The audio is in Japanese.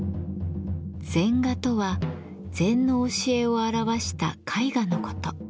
禅画とは禅の教えを表した絵画のこと。